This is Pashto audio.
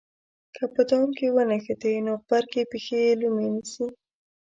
که په دام کې ونښتې نو غبرګې پښې یې لومې نیسي.